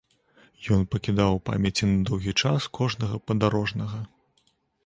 Ён пакідаў у памяці на доўгі час кожнага падарожнага.